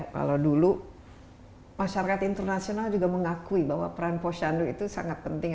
kalau dulu masyarakat internasional juga mengakui bahwa peran posyandu itu sangat penting